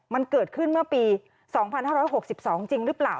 มันเกิดขึ้นเมื่อปี๒๕๖๒จริงหรือเปล่า